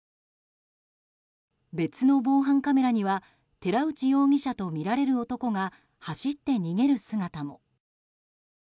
別の防犯カメラには寺内容疑者とみられる男が走って逃げる姿も。